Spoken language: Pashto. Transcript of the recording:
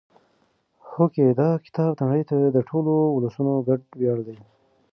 هوکې دا کتاب د نړۍ د ټولو ولسونو ګډ ویاړ دی.